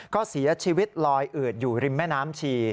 ก็เสียชีวิตลอยอืดอยู่ริมแม่น้ำชี